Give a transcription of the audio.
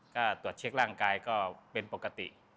ก็ตรวจเช็คร่างกายก็เป็นปกติ